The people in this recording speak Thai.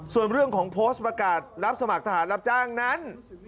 ส่วนเรื่องของโพสต์ประกาศรับสมัครทหารรับจ้างนั้น